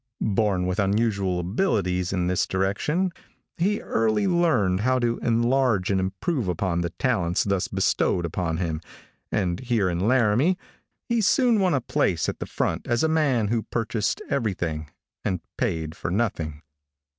Born with unusual abilities in this direction, he early learned how to enlarge and improve upon the talents thus bestowed upon him, and here in Laramie, he soon won a place at the front as a man who purchased everything and paid for nothing.